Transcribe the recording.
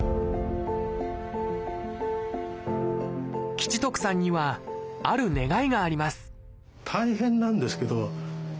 吉徳さんにはある願いがあります